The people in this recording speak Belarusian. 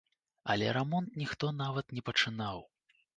Але рамонт ніхто нават не пачынаў.